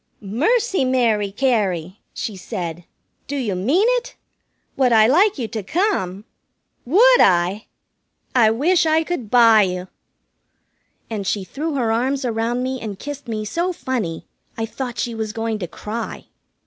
"Mercy, Mary Cary!" she said, "do you mean it? Would I like you to come? Would I? I wish I could buy you!" And she threw her arms around me and kissed me so funny I thought she was going to cry.